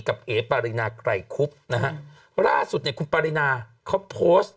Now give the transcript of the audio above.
เอ๋ปารินาไกรคุบนะฮะล่าสุดเนี่ยคุณปารินาเขาโพสต์